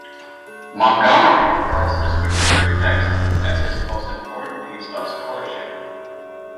Montgomery regards this particular text as his most important piece of scholarship.